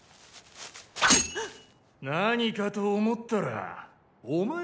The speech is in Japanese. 何かと思ったらお前か。